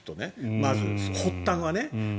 まず、発端はね。